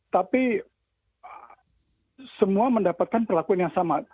tapi semua mendapatkan perlakuan yang sama